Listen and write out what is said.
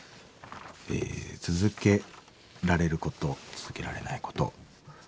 「続けられること続けられないこと」。